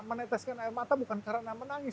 meneteskan air mata bukan karena menangis